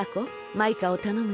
マイカをたのむね。